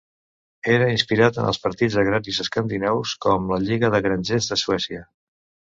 Era inspirat en els partits agraris escandinaus com la Lliga de Grangers de Suècia.